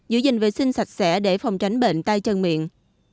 giữ gìn vệ sinh sạch sẽ để phòng tránh bệnh tay chân miệng